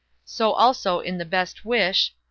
So also in the Best Wish, No.